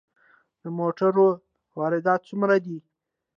د موټرو واردات څومره دي؟